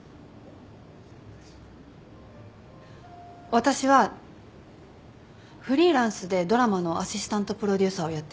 私はフリーランスでドラマのアシスタントプロデューサーをやってます。